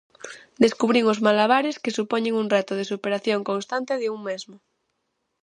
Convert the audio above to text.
Descubrín os malabares, que supoñen un reto de superación constante de un mesmo.